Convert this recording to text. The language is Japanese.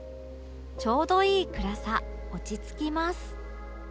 ちょうどいい暗さ落ち着きます